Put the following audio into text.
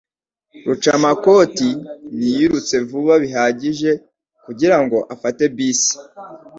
Rucamakoti ntiyirutse vuba bihagije kugirango afate bisi.